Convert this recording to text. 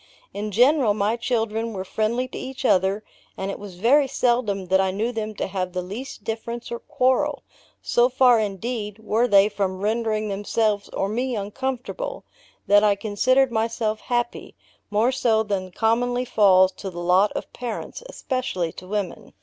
In general, my children were friendly to each other, and it was very seldom that I knew them to have the least difference or quarrel: so far, indeed, were they from rendering themselves or me uncomfortable, that I considered myself happy more so than commonly falls to the lot of parents, especially to women.